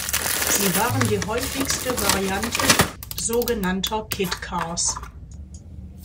Sie waren die häufigste Variante so genannter Kit Cars.